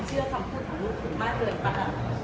เชื่อคำเพื่อนของลูกมากเกินไป